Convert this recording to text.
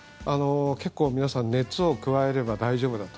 結構皆さん熱を加えれば大丈夫だと。